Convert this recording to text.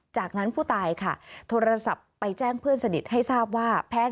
จากนั้นผู้ตายค่ะโทรศัพท์ไปแจ้งเพื่อนสนิทให้ทราบว่า